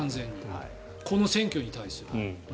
この選挙に対する。